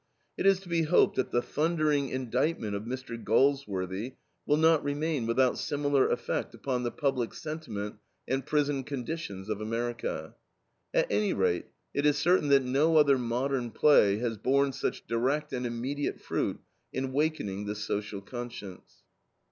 It is to be hoped that the thundering indictment of Mr. Galsworthy will not remain without similar effect upon the public sentiment and prison conditions of America. At any rate, it is certain that no other modern play has borne such direct and immediate fruit in wakening the social conscience.